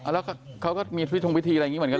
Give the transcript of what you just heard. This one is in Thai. แล้วเขาก็มีพิธีอะไรอย่างนี้เหมือนกันเลยเหรอ